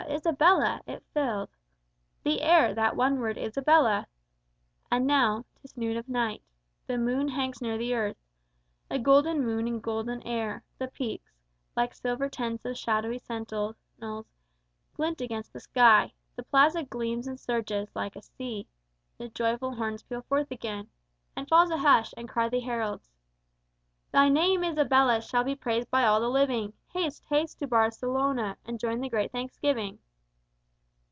Isabella!" it filled The air that one word "Isabella!" And now 'Tis noon of night. The moon hangs near the earth A golden moon in golden air; the peaks Like silver tents of shadowy sentinels Glint 'gainst the sky. The plaza gleams and surges Like a sea. The joyful horns peal forth again, And falls a hush, and cry the heralds: "_Thy name, Isabella, shall be praised by all the living; Haste, haste to Barcelona, and join the Great Thanksgiving!